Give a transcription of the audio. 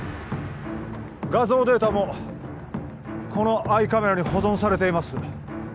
画像データもこのアイカメラに保存されています